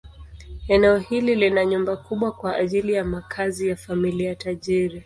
Eneo hili lina nyumba kubwa kwa ajili ya makazi ya familia tajiri.